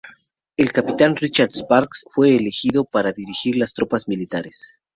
El capitán Richard Sparks fue elegido para dirigir las tropas militares.